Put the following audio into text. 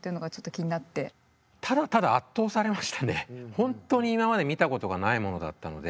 本当に今まで見たことがないものだったので。